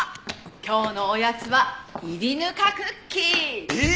今日のおやつは炒りぬかクッキー！